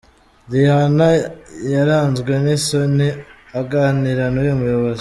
Rihanna yaranzwe n’isoni aganira n’uyu muyobozi.